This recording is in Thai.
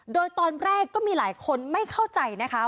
โดยตอนแรกก็มีหลายคนไม่เข้าใจนะคะ